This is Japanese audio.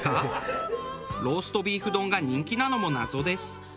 ローストビーフ丼が人気なのも謎です。